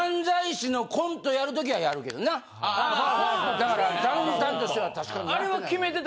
だからダウンタウンとしては確かにやってない。